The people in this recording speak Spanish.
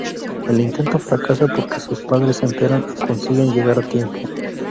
El intento fracasa porque sus padres se enteran y consiguen llegar a tiempo.